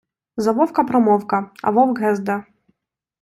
За вовка промовка, а вовк гезде.